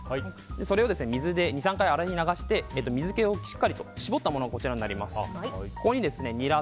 それを水で２３回洗い流して水気をしっかりと絞ったものがこちらになります。